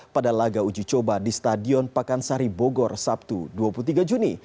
pada laga uji coba di stadion pakansari bogor sabtu dua puluh tiga juni